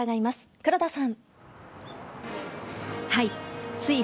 黒田さん。